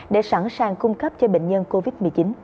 để sẵn sàng cung cấp cho bệnh nhân covid một mươi chín